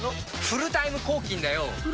フルタイム抗菌？